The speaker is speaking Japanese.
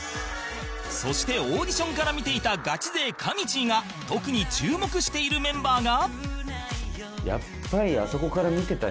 そしてオーディションから見ていたガチ勢かみちぃが特に注目しているメンバーが